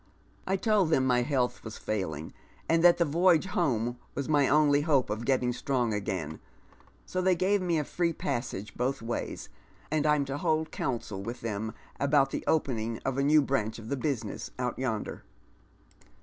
I told them my health was failing, and that fhe voyage home was my only hope of getting strong again, so they gave me a free passage both ways, and I'm to hold counsel with them about the opening of a new branch of the business out yonder."